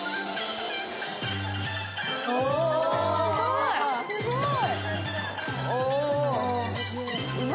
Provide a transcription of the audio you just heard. お、すごい。